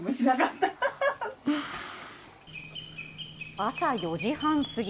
朝４時半過ぎ。